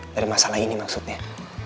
dari masalah ini maksudnya